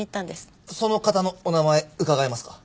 その方のお名前伺えますか？